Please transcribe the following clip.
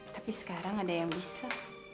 tapi sekarang ada yang bisa